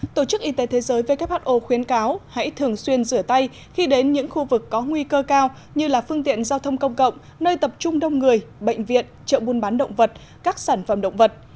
tổ chức y tế thế giới who khuyến cáo hãy thường xuyên rửa tay khi đến những khu vực có nguy cơ cao như là phương tiện giao thông công cộng nơi tập trung đông người bệnh viện chợ buôn bán động vật các sản phẩm động vật